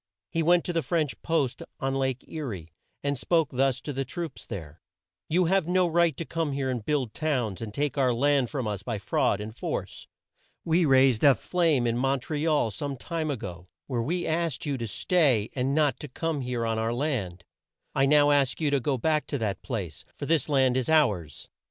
He went to the French post on Lake E rie, and spoke thus to the troops there: "You have no right to come here and build towns, and take our land from us by fraud and force. We raised a flame in Mon tre al some time a go, where we asked you to stay and not to come here on our land. I now ask you to go back to that place, for this land is ours.